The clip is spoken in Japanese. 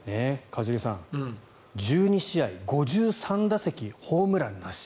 一茂さん１２試合５３打席ホームランなし。